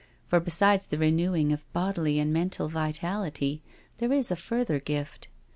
For be sides the renewing of bodily and mental vitality there is a further gift.